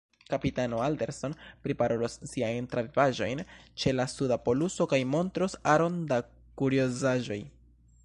Kapitano Alderson priparolos siajn travivaĵojn ĉe la suda poluso kaj montros aron da kuriozaĵoj.